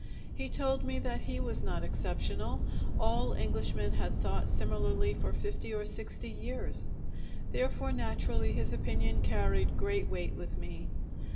He told me that he was not exceptional; all Englishmen had thought similarly for fifty or sixty years; therefore, naturally, his opinion carried great weight with me.